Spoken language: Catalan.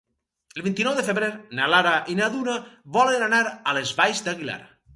El vint-i-nou de febrer na Lara i na Duna volen anar a les Valls d'Aguilar.